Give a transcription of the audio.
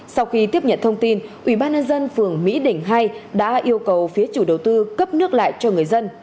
sau khi tiếp nhận thông tin ubnd phường mỹ đỉnh hai đã yêu cầu phía chủ đầu tư cấp nước lại cho người dân